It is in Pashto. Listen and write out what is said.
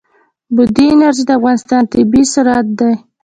بادي انرژي د افغانستان طبعي ثروت دی.